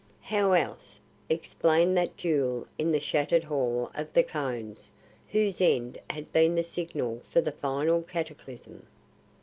How else explain that duel in the shattered Hall of the Cones whose end had been the signal for the final cataclysm?